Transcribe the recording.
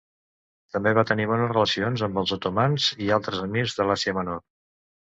També va tenir bones relacions amb els otomans i altres emirs de l'Àsia Menor.